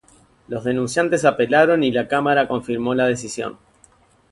Los denunciantes apelaron y la Cámara confirmó la decisión.